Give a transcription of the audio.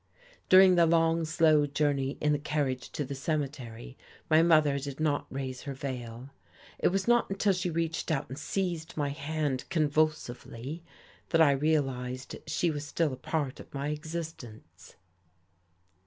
During the long, slow journey in the carriage to the cemetery my mother did not raise her veil. It was not until she reached out and seized my hand, convulsively, that I realized she was still a part of my existence.